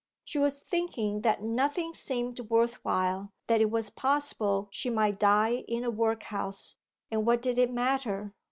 She was thinking that nothing seemed worth while; that it was possible she might die in a workhouse; and what did it matter?